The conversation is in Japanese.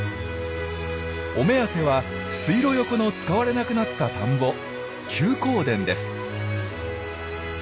お目当ては水路横の使われなくなった田んぼ